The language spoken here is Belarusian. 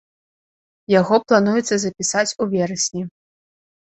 Яго плануецца запісаць у верасні.